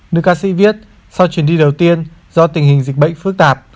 nữ ca sĩ viết sau chuyến đi đầu tiên do tình hình dịch bệnh phức tạp